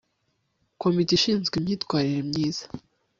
komite ishinzwe imyitwarire myiza